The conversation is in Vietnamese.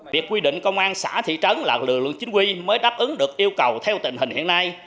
việc quy định công an xã thị trấn là lực lượng chính quy mới đáp ứng được yêu cầu theo tình hình hiện nay